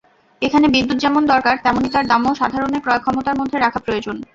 এখানে বিদ্যুৎ যেমন দরকার, তেমনি তার দামও সাধারণের ক্রয়ক্ষমতার মধ্যে রাখা প্রয়োজন।